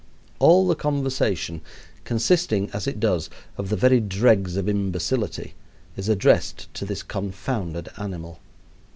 All the conversation, consisting, as it does, of the very dregs of imbecility, is addressed to this confounded animal.